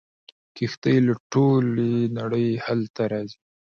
کښتۍ له ټولې نړۍ هلته راځي.